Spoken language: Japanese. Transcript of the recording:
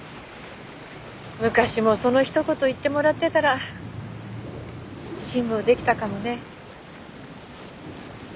昔もそのひと言言ってもらってたら辛抱出来たかもね。